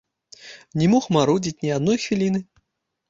Не мог марудзіць ні адной хвіліны.